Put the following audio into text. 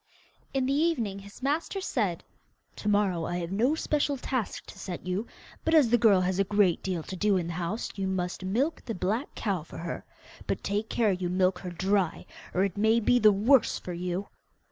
In the evening his master said, 'To morrow I have no special task to set you, but as the girl has a great deal to do in the house you must milk the black cow for her. But take care you milk her dry, or it may be the worse for you.